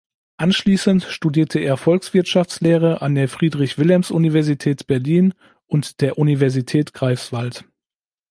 Anschließend studierte er Volkswirtschaftslehre an der Friedrich-Wilhelms-Universität Berlin und der Universität Greifswald.